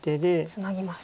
ツナぎます。